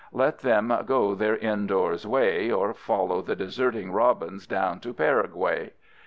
Let them go their indoors way, or follow the deserting robins down to Paraguay!